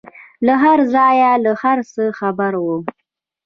له هرځايه له هرڅه خبره وه.